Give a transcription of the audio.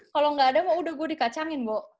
kalau nggak ada mah udah gue dikacangin bu